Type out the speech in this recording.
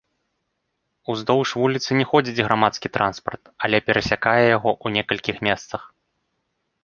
Уздоўж вуліцы не ходзіць грамадскі транспарт, але перасякае яго ў некалькіх месцах.